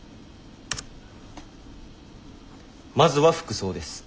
まずは服装です。